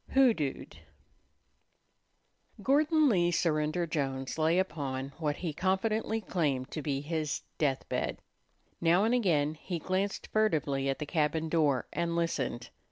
HOODOOED Gordon Lee Surrender Jones lay upon what he confidently claimed to be his death bed. Now and again he glanced furtively at the cabin door and listened.